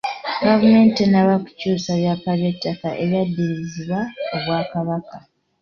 Gavumenti tennaba kukyusa byapa by’ettaka eryaddizibwa Obwakabaka.